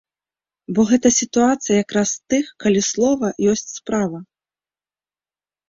Бо гэта сітуацыя якраз з тых, калі слова ёсць справа.